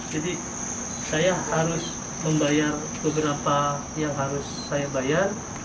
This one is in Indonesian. jadi saya harus membayar beberapa yang harus saya bayar